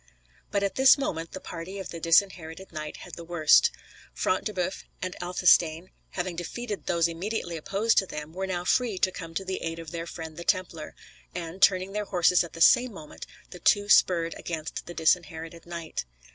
But at this moment the party of the Disinherited Knight had the worst. Front de Boeuf and Athelstane, having defeated those immediately opposed to them, were now free to come to the aid of their friend the Templar; and, turning their horses at the same moment, the two spurred against the Disinherited Knight.